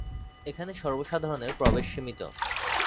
এখানে সর্বসাধারণের প্রবেশ সীমিত।